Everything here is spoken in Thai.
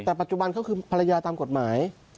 แต่ปัจจุบันเขาคือภรรยาตามกฎหมาย